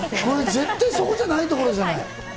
絶対そこじゃないところじゃない？